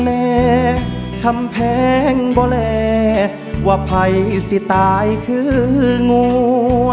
แน่คำแพงบ่แหล่ว่าใครสิตายคืองู